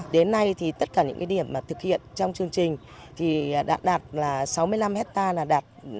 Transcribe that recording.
đến nay thì tất cả những cái điểm mà thực hiện trong chương trình thì đã đạt là sáu mươi năm hectare là đạt